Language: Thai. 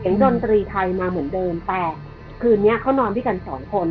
ดนตรีไทยมาเหมือนเดิมแต่คืนนี้เขานอนด้วยกันสองคน